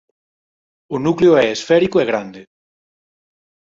O núcleo é esférico e grande.